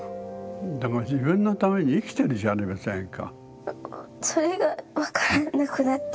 でも自分のために生きてるじゃありませんか。